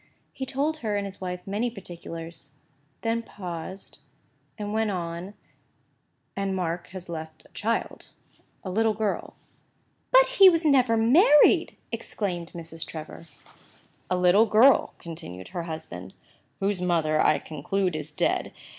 He told her and his wife many particulars—then paused—then went on—"And Mark has left a child—a little girl— "But he never was married!" exclaimed Mrs. Trevor. "A little girl," continued her husband, "whose mother, I conclude, is dead.